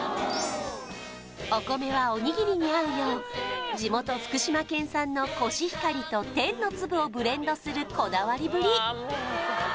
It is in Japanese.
お米はおにぎりに合うよう地元福島県産のコシヒカリと天のつぶをブレンドするこだわりぶり